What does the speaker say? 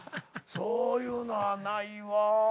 そういうのはないわ。